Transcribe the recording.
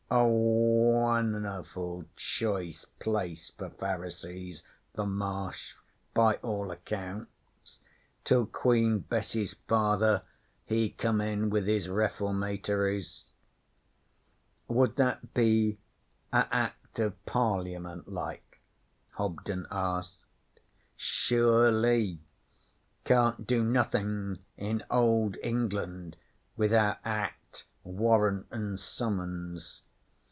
A won'erful choice place for Pharisees, the Marsh, by all accounts, till Queen Bess's father he come in with his Reformatories.' 'Would that be a Act of Parliament like?' Hobden asked. 'Sure ly. Can't do nothing in Old England without Act, Warrant an' Summons.